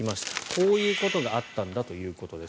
こういうことがあったんだということです。